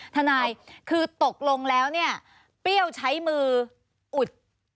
ทนายคือตกลงแล้วเนี่ยเปรี้ยวใช้มืออุด